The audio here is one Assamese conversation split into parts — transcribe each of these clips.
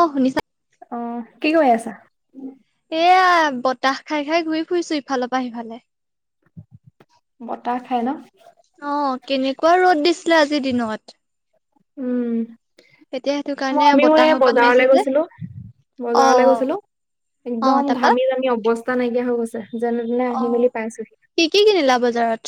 অ' শুনিছা। অ' কি কৰি আছা? এয়েয়া বতাহ খাই খাই ঘূৰি ফুৰিছো ইফালৰ পৰা সিফালে। বতাহ খাই ন। অ কেনেকুৱা [unintelligible] আজিৰ দিনত উম। এতিয়া সেইটো ম কাৰণে আমিও বতাহ এই অকণ মাৰিছে বজাৰলে যে গৈছিলো, অ বজাৰলে গৈছিলো। অ একদম তাৰপা ঘামি জামি অৱস্থা নাইকিয়া হৈ গৈছে। যেনে তেনে নে অ আহি বুলি মেলি পাইছোঁহি। কি কি কিনিলা বজাৰত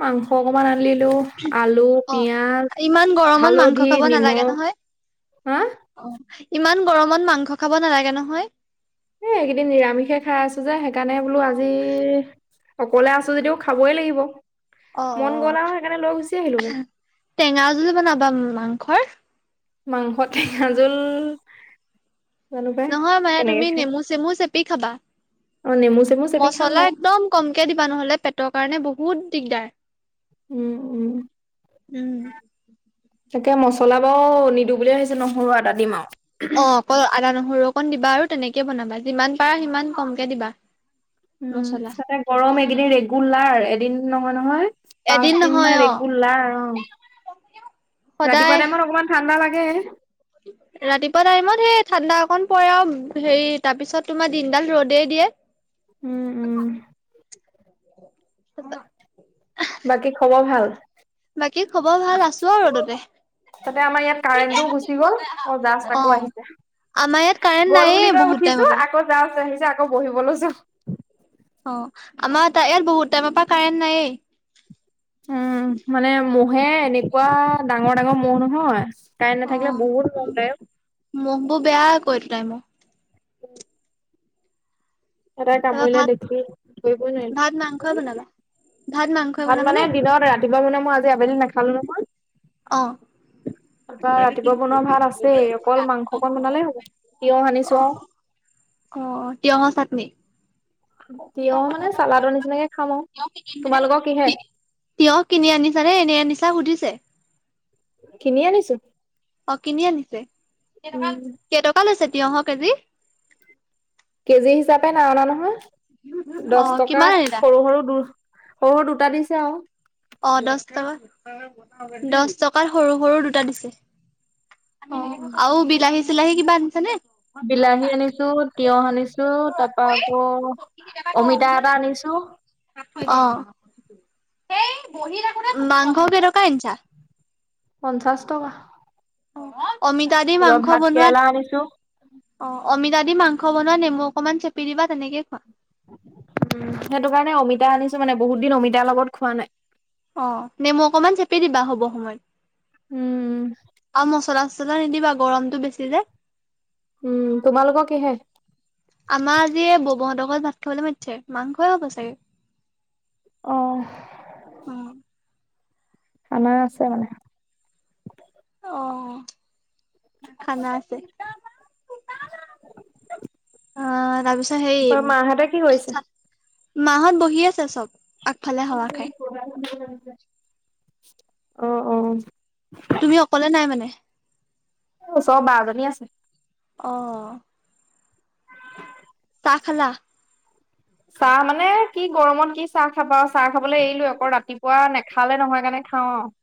মাংস অকমান আনিলোঁ। আলু অ পিয়াজ, ইমান গৰমত মাংস হালধি, খাব নালাগে নিমখ। নহয় হা অ' ইমান গৰমত মাংস খাব নালাগে নহয়। এ এইকেইদিন নিৰামিষে খাই আছো যে সেইকাৰণে বোলো অ আজি অকলে আছো যদিও খাবই লাগিব। অ' মন গ'ল আৰু সেইকাৰণে লৈ গুচি আহিলোগে অ' টেঙা জুল বনাবা মাংসৰ মাংস টেঙা জোল জানো পাই নহয় মানে কেনেকে তুমি খাই নেমু চেমু চেপি কি খাবা অ নেমু চেমু চেপি খাম মছলা বাৰু একদম কমকে দিবা নহ'লে পেটৰ কাৰণে বহুত বহুত দিগদাৰ উম, উম। উম তাকে মছলা বাৰু নিদিওঁ বুলিয়ে ভাবিছো নহৰু আদা দিম আৰু অ' অকল আদা নহৰু অকণ দিবা আৰু তেনেকে বনাবা যিমান পাৰা সিমান কমকে দিবা উম, মছলা তাতে গৰম একদিন ৰেগুলাৰ এদিন নহয় নহয় পাঁচ দিন মান ৰেগুলাৰ লাৰ অ' মধুৰিআম ৰাতিপুৱা টাইমত অকমান ঠাণ্ডা লাগে। [inaudible] ৰাতিপুৱা টাইমত সেই ঠাণ্ডা অকণ পৰে আৰু হেৰি তাৰপিছত তোমাৰ দিনডাল ৰ'দেই দিয়ে। উম, উম। [unintelligible] বাকী খবৰ ভাল। বাকী খবৰ ভাল আছো আৰু ততে তাতে আমাৰ ইয়াত কাৰেণ্টও গুচি গ'ল। অ' জাষ্ট আকৌ আহিছে। আমাৰ ইয়াত কাৰেণ্ট গ'ল নাইয়ে বুলি কৈ বহুত টাইমৰ উঠিছো পৰা আকৌ জাষ্ট আহিছে আকৌ বহিব লৈছোঁ। অ' আমাৰ তা ইয়াত বহুত টাইমৰ পৰা কাৰেন্ট নায়েই। উম, মানে মহে এনেকুৱা ডাঙৰ ডাঙৰ মহ নহয়। কাৰেণ্ট নাথাকিলে বহুত মহ ওলাই অ' মোহ বোৰ বেয়া আকৌ এইটো তাইমৰ উম। এটা তাৰপৰা কামৰিলে ভাত দেখি ধৰিবই ভাত মাংসই নোৱাৰিলোঁ। বনাবা ভাত মাংসই ভাত মানে বনাবানে দিনতে ৰাতিপুৱা মানে মই আজি আবেলি নাখালো নহয়। অ'। তাপা ৰাতিপুৱা বনোৱা ভাত আছেই অকল মাংসকণ বনালেই হ'ব, তিয়হ সানিছো অ অ, তিয়হৰ চাটনি। তিয়হ মানে চালাদৰ নিচিনাকে খাম আৰু তোমালোকৰ কিহে? তিয়হ কিনি আনিছা নে এনে আনিছা সুধিছে। কিনি আনিছো। অ' কিনি আনিছে উম কেইটকা লৈছে তিয়হ কেজি? কেজি হিচাপে নাই অনা নহয় অ দহ কিমান টকাত আনিলা সৰু সৰু দু সৰু দুটা দিছে আৰু। অ' দহ টকাত দহ টকাত সৰু সৰু দুটা দিছে। অ' উম। আৰু বিলাহী চিলাহী কিবা আনিছে নে। বিলাহী আনিছো তিয়হ আনিছো তাৰপা আকৌ অমিতা এটা আনিছো। অ'। মাংস কেইটকা আনিছা? পঞ্চাছ টকা। অ' অমিতা দি তাৰপা মাংস ভাত বনোৱাত কেৰেলা আনিছো অ। অমিতা দি মাংস বনোৱা নেমু অকনমান চেপি দিবা তেনেকে খোৱা। উম সেইটো কাৰণে অমিতা আনিছো মানে, বহুত দিন অমিতাৰ লগত খোৱা নাই। অ' নেমু অকমান চেপি দিবা হ'ব সময়ত উম আৰু মচলা চলা নিদিবা গৰমটো বেছি যে। উম তোমালোকৰ কিহে। আমাৰ আজি ববহঁতৰ ঘৰত ভাত খাবলৈ মাতিছে মাংসই হ'ব চাগে। অহ। অ', খানা আছে মানে। অ' খানা আছে। [inaudible] অ তাৰপিছত হেই বা মাহঁতে কি কৰিছে? মাহত বহি আছে চব আগফালে হাৱা খাই। অ' অ'। তুমি অকলে নাই মানে। ওচৰৰ বা জনী আছে। অ'। চাহ খালা? চাহ মানে কি গৰমত কি চাহ খাবা চাহ খাবলৈ এৰিলো আকৌ ৰাতিপুৱা নেখালে নহয় কাৰণে খাওঁ আৰু।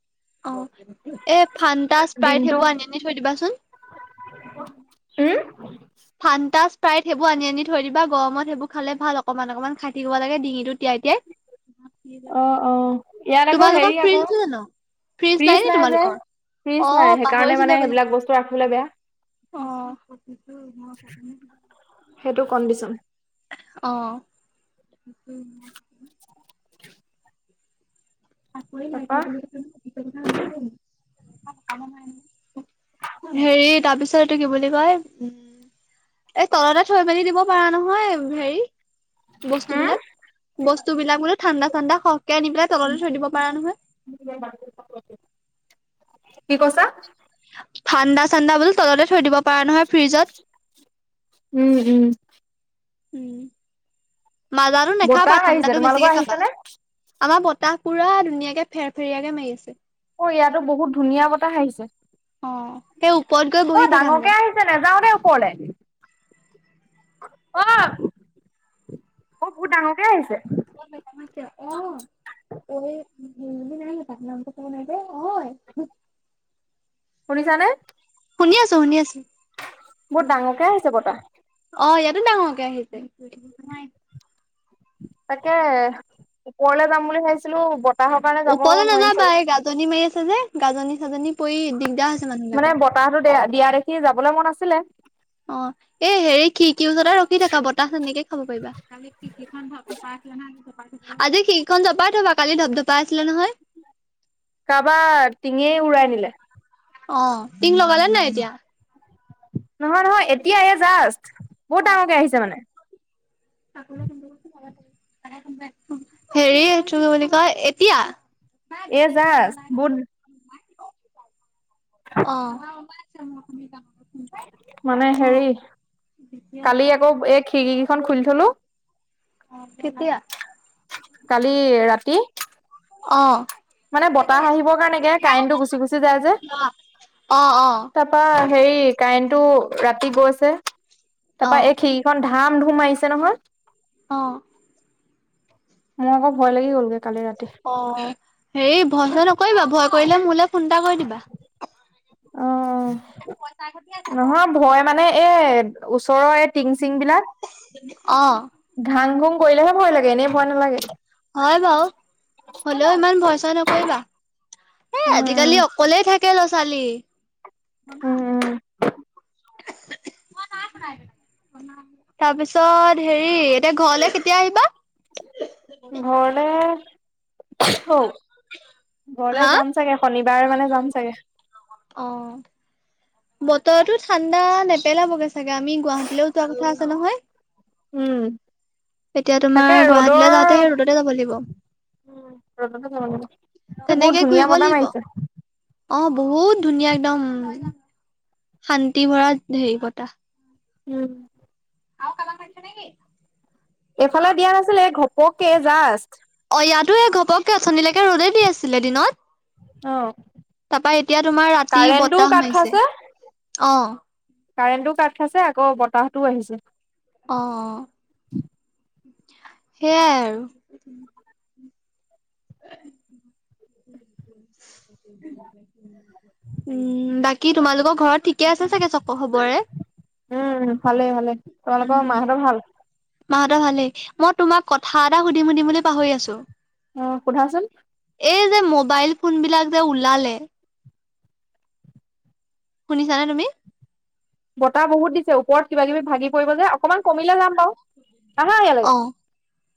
অ' এই ফান্তা স্প্ৰাইট দিনটো সেইবোৰ আনি আনি থৈ দিবাচোন। [inaudible] ফান্তা স্প্ৰাইট সেইবোৰ আনি আনি থৈ দিবা গৰমত সেইবোৰ খালে ভাল অকনমান অকণমান খাই থাকিব লাগে ডিঙিটোত তিয়াই তিয়াই। উম, ইয়াত আকৌ হেৰি তোমালোকৰ আকৌ ফ্ৰিজ আছে জানো? ফ্ৰিজ নাই নেকি তোমালোকৰ। ফ্ৰিজ নাই অ' সেইকাৰণে মানে পাহৰিছিলা সেইবিলাক কথাটো। বস্তু ৰাখিবলৈ বেয়া অ'। সেইটো কণ্ডিচন। অ'। চাকৰি নাই তাৰপা কৰা বুলি কৈছে নহয়, ইটো কথা সুধিব পাৰিলি হেতেন। হেৰি তাৰ পিছত এইটো কি বুলি কয় উম এই তলতে থৈ মেলি দিব পাৰা নহয় হেৰি। হম, বস্তুবিলাক বস্তুবিলাক বোলে ঠাণ্ডা ঠাণ্ডা সহকে আনি পেলাই তল কি কৈছা। ঠাণ্ডা চানদা বোলো তলতে থৈ দিব পাৰা নহয় ফ্ৰিজত। উম, [inaudible] উম মাজাৰো নাখাবা বতাহ আহিছে ঠাণ্ডাতো তোমালোকৰ বেছিকে আহিছে খাবা নে? আমাৰ বতাহ পুৰা ধুনীয়াকে ফেৰ ফেৰয়াকে মাৰিছে। অ', ইয়াতো বহুত ধুনীয়া বতাহ আহিছে। অ সেই ওপৰত গৈ বহি অ', থাকাগে ডাঙৰকে আহিছে নাযাওঁ দেই ওপৰলে। অ', অ', বহুত ডাঙৰকে আহিছে। [unintelligible] নাই তাত নামটো কব নাই যে হয়। শুনিছানে শুনি আছো শুনি আছো বহুত ডাঙৰকে আহিছে বতাহ অ', ইয়াতো ডাঙৰকে আহিছে তাকে ওপৰলে যাম বুলি ভাবিছিলো বতাহৰ কাৰণে যাব ওপৰলে নোৱাৰিম নাযাবা চাগে এই গাজনি মাৰি যে গাজনি চাজনি পৰি দিগদাৰ হৈছে মানুহ মানে বিলাকৰ বতাহতো দিয়া দিয়া দেখি যাবলৈ মন আছিলে। অ', এ হেৰি কি কিউজা ৰখি থাকা বতাহ এনেকে খাব পাৰিবা আজি সেইখন জপাই থবা কালি ধপ ধপাই আছিলে নহয়। কাৰোবাৰ টিঙে উৰাই নিলে। অ', টিং লগালে নাই এতিয়া। নহয় নহয় এতিয়া এই জাষ্ট। বহুত ডাঙৰকে আহিছে মানে [unintelligible] হেৰি এ কি বুলি কয় এতিয়া। এ জাষ্ট গুড অ' মানে অ হেৰি কালি আকৌ এই খিৰিকী কেইখন খুলি থলো অ', কেতিয়া? কালি ৰাতি অ' মানে বতাহ আহিবৰ কাৰণে কে কাৰেনটো গুচি গুচি যায় যে। অ অ তাৰপা হেৰি কাই টো ৰাতি গৈছে অ তাৰপা এই খিৰিকখন ধাম ধুম মাৰিছে নহয়। অ' মোৰ আকৌ ভয় লাগি গ'লগৈ কালি ৰাতি। অ হেৰি ভয় চ নকৰিবা ভয় কৰিলে মোলৈ ফোন এটা কৰি দিবা। অ', নহয় ভয় মানে এ ওচৰৰ এই টিং চিং বিলাক অ ঘাং ঘুং কৰিলেহে ভয় লাগে এনেই ভয় নালাগে। হয় বাৰু হলেও ইমান ভয় ছয় নকৰিবা। এ আজিকালি অকলেই থাকে ল'ৰা ছোৱালী। তাৰপিছত হেৰি এতিয়া ঘৰলে কেতিয়া আহিবা? ঘৰলে ঘৰলে হা যাম চাগে শনিবাৰে মানে যাম চাগে। অ' বতৰতো ঠাণ্ডা নেপেলাবগে চাগে আমি গুৱাহাটীলৈও তোৱা কথা আছে নহয়। উম এতিয়া তোমাৰ তাকে গুৱাহাটীলৈ ৰ'দৰ যাওঁতে সেই ৰ'দতে যাব লাগিব। বহুত তেনেকে ধুনীয়া ঘূৰিব বতাহ লাগিব। মাৰিছে। অ' বহুত ধুনীয়া একদম শান্তি ভৰা হেৰি বতাহ। উম আ কামা খ থ নেকি। এইফালে দিয়া নাছিলে ঘপকে জাষ্ট। ত এই ঘপকে অথননিলৈকে ৰ'দ দি আছিলে দিনত অ তাৰাপা এতিয়া তোমাৰ ৰাতি কাৰেণ্টটোও বতাহ কাট মাৰিছে অ কাৰেণ্টো কাট খাইছে আকৌ বতাহতোও আহিছে অঁ সেইয়াই আৰু [inaudible] উম বাকী তোমালোকৰ ঘৰত থিক কে আছে চাগে চক খবৰে উম, ভালে ভালে তোমালোকৰ উম মাহঁতৰ ভাল? মাহঁতৰ ভালেই মই তোমাক কথা এটা সুধিম সুধিম বুলি পাহৰি আছো আহ সোধাচোন এই যে মোবাইল ফোন বিলাক যে ওলালে শুনিছানে তুমি বতাহ বহুত দিছে ওপৰত কিবা কিবি ভাগি পৰিব যে অকণমান কমিলে যাম বাৰু আহা ইয়ালৈকে অ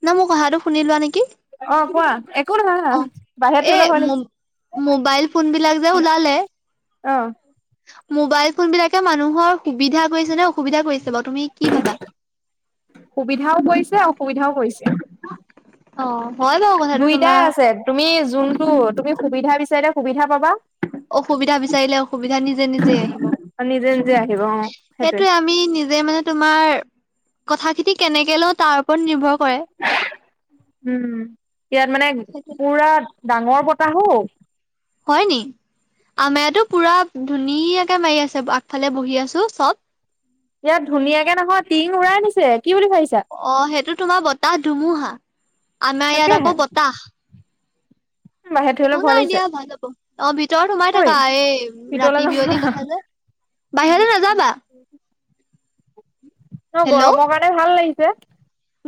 না মোৰ কথাটো শুনি লোৱা নেকি অ', কোৱা একো নহা অ বাহিৰত এ থলৈ ভাল মো লাগ মোবাইল ফোন বিলাক যে ওলালে আহ মোবাইল ফোন বিলাকে মানুহৰ সুবিধা কৰিছে নে অসুবিধা কৰিছে বাৰু তুমি কি ভাবা সুবিধাও কৰিছে অসুবিধাও কৰিছে অ হয় বাৰু কথাটো দুইটাই তোমাৰ আছে তুমি যোনটো তুমি সুবিধা বিচাৰিলে সুবিধা পাবা অসুবিধা বিচাৰিলে অসুবিধা নিজে নিজে আহিব নিজে নিজে আহিব অ', সেইটোৱে। সেইটোয়ে আমি নিজে মানে তোমাৰ কথাখিনতি কেনেকে লওঁ তাৰ ওপৰত নিৰ্ভৰ কৰে উম ইয়াত মানে পুৰা ডাঙৰ বতাহ হও হয় নি আমায়াতো পুৰা ধুনীয়াকে মাৰি আছে আগফালে বহি আছো চব ইয়াত ধুনীয়াকে নহয় টিং উৰাই আ নিছে কি বুলি ভাবিছা অ সেইটো তোমাৰ বতাহ ধুমুহা আমাৰ ইয়াত আকৌ বতাহ বাহেটো অলপ ভালিছে তই সোমাই থাককা এই ভিতৰলে ৰাতি যাওঁ বিয়লি ব'লা। কথা যে বাহিৰতে নাযাবা [inaudible] ন হেল্ল' গৰমৰ কাৰণে ভাল লাগিছে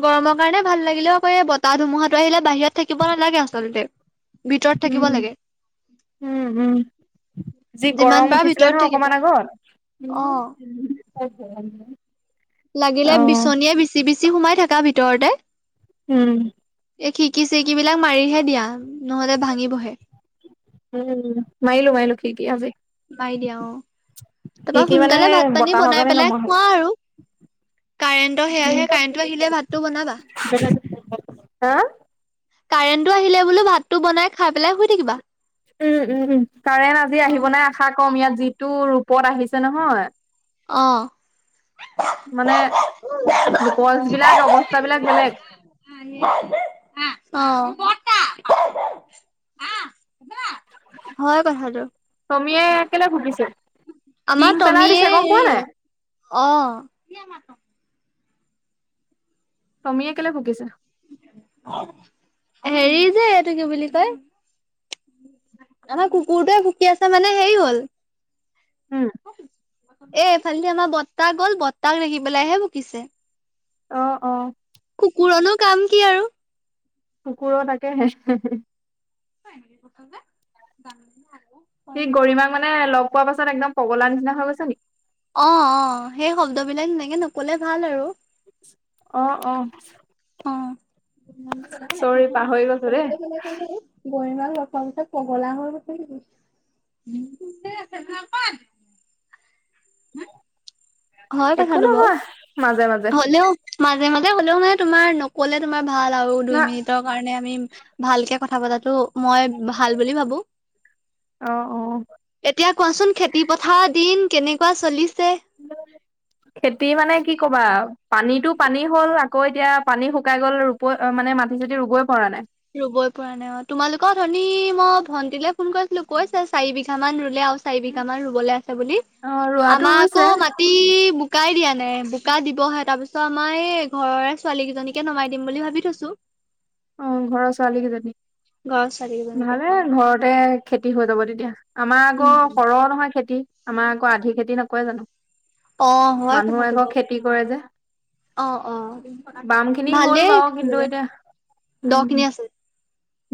গৰমৰ কাৰণে ভাল লাগিলেও আকৌ এই বতাহ ধুমুহাটো আহিলে বাহিৰত থাকিব নালাগে আচলতে ভিতৰত উম, থাকিব লাগে উম উম যি যিমান গৰম পাৰা উঠিছিলে ভিতৰত নহয় অকমান থাকিবা আগত অ। অ য লাগিলে বিচনীয়ে বিচি বিচি সোমাই থাককা ভিতৰতে উম। এই খিকি চেকিবিলাক মাৰিহে দিয়া নহলে ভাঙি বহে উম মাইলো মাইলো কি কি আজি মাৰি দিয়া অ তাৰপা খিৰিকী মানে সোনকালে সেই ভাত পানী বতাহৰ বনাই কাৰণে পেলাই নমৰা হ'ল। খোৱা আৰু কাৰেণ্টৰ সেয়াহে কাৰেণ্টটো আহিলে ভাতটো বনাবা হা কাৰেণ্টটো আহিলে বোলো ভাতটো বনাই খাই পেলাই শই থাকিবা উম উম উম কাৰেণ্ আজি আহিব নাই আশা কম ইয়াত যিটো ৰূপত আহিছে নহয় অঁ মানে নোকজ বিলাক অৱস্থাবিলাক বেলেগ অ অ ম তমিয়ে কেলে ভুকিছে? আমাৰ টিং পেলাই দিছে টমীয়ে গম পোৱা হেৰি নাই? অ', তমিয়ে কেলে ভুকিছে? হেৰি যে এইটো কি বুলি কয় আমাৰ কুকুৰটোয়ে ভুকী আছে মানে হেৰি হ'ল হুম, এ এফালে আমাৰ বৰ্তাহ গ'ল বৰ্তাক দেখি পেলাইহে ভুকিছে। অ', অ', কুকুৰনো কাম কি আৰু? কুকুৰৰ তাকেহে [inaudible] সি গৌৰিমাক মানে লগ পোৱাৰ পাছত একদম পগলা নিচিনা হৈ গৈছে নেকি? অ', অ', সেই শব্দবিলাক এনেকে নকলে ভাল আৰু। অ', অ', [inaudible] চৰি পাহৰি গৈছো দেই গৌৰীমাক লগ পোৱা পিছত পগলা হৈ গৈছে নেকি? [inaudible] হয় একো কথাটো নহয় মাজে মাজে বাৰু হলেও মাজে মাজে হ'লেও মানে তোমাৰ নক'লে তোমাৰ ভাল আৰু দুই না মিনিটৰ কাৰণে আমি ভালকে কথা পতাতো মই ভাল বুলি ভাবো, অ অ এতিয়া কোৱাচোন খেতি পথাৰ দিন কেনেকুৱা চলিছে? খেতি মানে কি কবা পানীতটো পানী হ'ল আকৌ এতিয়া পানী শুকাই গ'ল ৰুপ মানে মাটি চাতি ৰুবই পৰা নাই। ৰুবই পৰা নাই অ, তোমালোকত ধনি মই ভন্টিলৈ ফোন কৰিছিলো কৈছে চাৰি বিঘা মান ৰুলে আৰু চাৰি বিঘামান ৰুবলৈ আছে বুলি অ ৰোৱাটো আমাৰ ৰুইছে আকৌ মাটি বোকাই দিয়া মানে বোকা দিবহে তাৰ পিছত আমাৰ এই ঘৰৰে ছোৱালী কেইজনীকে নমাই দিম বুলি ভাবি থৈছো। অ', ঘৰৰ ছোৱালী কেইজনী, ঘৰৰ ছোৱালী কেইজনীকে ভালে হয়। ঘৰতে খেতি হৈ যাব তেতিয়া। আমাৰ আকৌ সৰ নহয় খেতি আমাৰ আকৌ আধি খেতি নকৰে জানো। অ', হয় মানুহ কথাটো আকৌ বাৰু। খেতি কৰে যে অ', অ', বাম খিনি হ'ল ভালেই, বাৰু কিন্তু এতিয়া দহ খিনি আছে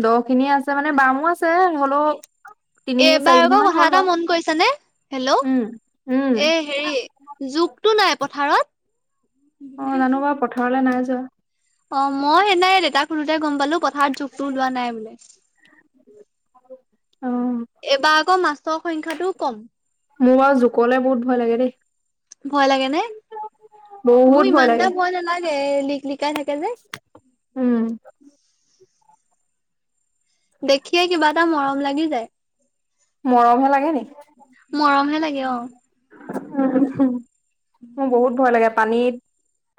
দহ খিনি আছে মানে বামো আছে হলেও তিনি চাৰি এবাৰ বিঘা আকৌ মান কথা হ'ল এটা বাৰু মন কৰিছ নে হেল্ল' উম উম এ হেৰি জুকটো নাই পথাৰত অ', জানো বাৰু পথাৰলৈ নাই যোৱা। অ', মই সেইদিনা এই দেউেতাক সুধোঁতে গম পালো পথাৰত জুকটো ওলোৱা নাই বোলে। অ এইবাৰ আকৌ মাছৰ সংখ্যাটো কম। মোৰ বাৰু জুকলে বহুত ভয় লাগে দেই। ভয় লাগে নে? বহুত মোৰ ইমানটা লাগে ভয় নালাগে লিক লিকাই থাকে যে। উম দেখিয়ে কিবা এটা মৰম লাগি যায়। মৰম হে লাগে নি? মৰম হে লাগে অ', মোৰ বহুত ভয় লাগে পানীত